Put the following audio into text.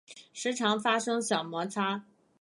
时常发生小摩擦